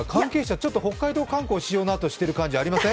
ちょっと北海道観光しようとしてる感じありません？